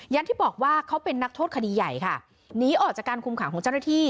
อย่างที่บอกว่าเขาเป็นนักโทษคดีใหญ่ค่ะหนีออกจากการคุมขังของเจ้าหน้าที่